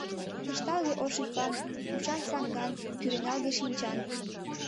Шышталге ош ӱпан, ушан саҥган, кӱреналге шинчан.